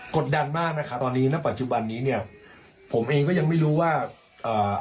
ดดันมากนะคะตอนนี้ณปัจจุบันนี้เนี่ยผมเองก็ยังไม่รู้ว่าอ่า